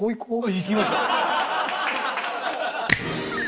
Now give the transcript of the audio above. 行きましょう。